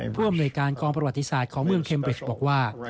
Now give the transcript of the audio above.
ผู้อำนวยการกองประวัติศาสตร์ของเมืองเมริชบอกว่า